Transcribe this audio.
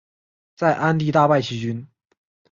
在鞍地大败齐军。